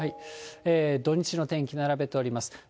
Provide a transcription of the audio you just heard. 土日の天気並べております。